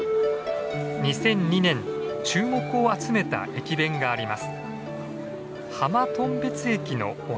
２００２年注目を集めた駅弁があります。